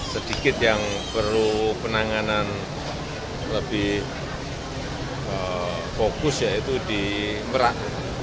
sedikit yang perlu penanganan lebih fokus yaitu di merak